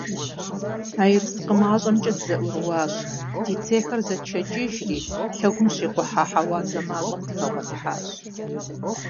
А ерыскъы мащӀэмкӀэ дызэӀурыущ, ди цейхэр зэтшыхьэкӀыжри, лъэгум щикъухьа хьэуазэ мащӀэм дыхэгъуэлъхьащ.